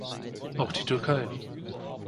Auch die Türkei!